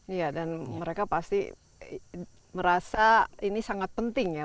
iya dan mereka pasti merasa ini sangat penting ya